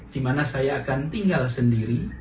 di mana saya akan tinggal sendiri